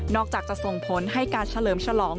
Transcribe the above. อกจากจะส่งผลให้การเฉลิมฉลอง